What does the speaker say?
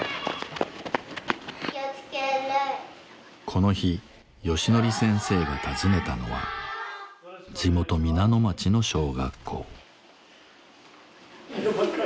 この日ヨシノリ先生が訪ねたのは地元皆野町の小学校。